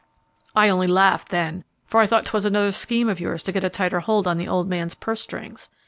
"I only laughed then, for I thought 'twas another scheme of yours to get a tighter hold on the old man's purse strings.